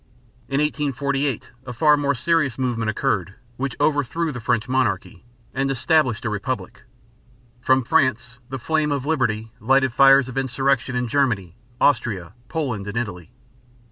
In 1848 a far more serious movement occurred, which overthrew the French monarchy and established a republic. From France the flame of liberty lighted fires of insurrection in Germany, Austria, Poland, and Italy.